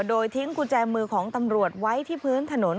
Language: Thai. โดยทิ้งกุญแจมือของตำรวจไว้ที่พื้นถนน